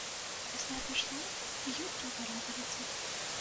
Вясна прыйшла, і ёй трэба радавацца!